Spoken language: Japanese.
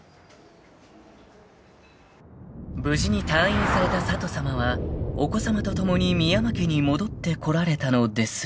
［無事に退院された佐都さまはお子さまと共に深山家に戻ってこられたのですが］